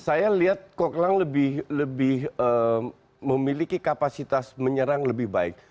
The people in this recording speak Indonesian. saya lihat kok lang lebih memiliki kapasitas menyerang lebih baik